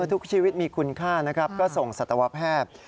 ทุกชีวิตมีคุณค่านะครับก็ส่งสัตวแพทย์